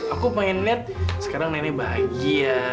aku pengen lihat sekarang nenek bahagia